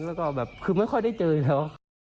แล้วก็แบบคือไม่ค่อยได้เจอแล้ว